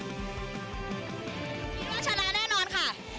คิดว่าชนะแน่นอนค่ะ